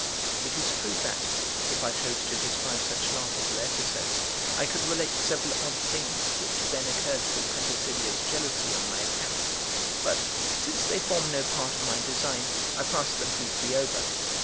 It is true that, if I chose to describe such laughable episodes, I could relate several odd things which then occurred through Pantasilea's jealousy on my account; but since they form no part of my design, I pass them briefly over.